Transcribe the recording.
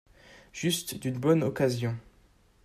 Juste d’une bonne occasion.